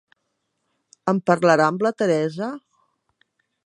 ¿En parlarà amb la Teresa?